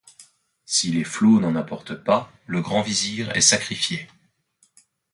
Si les flots n’en apportent pas, le grand vizir est sacrifié.